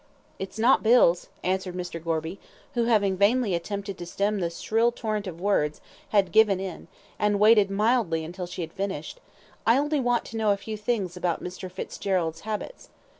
"It's not bills," answered Mr. Gorby, who, having vainly attempted to stem the shrill torrent of words, had given in, and waited mildly until she had finished; "I only want to know a few things about Mr. Fitzgerald's habits."